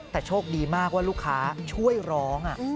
แต่โชคดีมากว่าลูกค้าช่วยร้อง